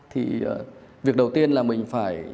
thì việc đầu tiên là mình phải